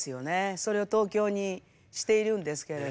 それを「東京」にしているんですけれど。